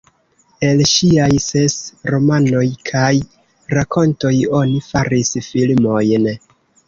El ŝiaj ses romanoj kaj rakontoj oni faris filmojn.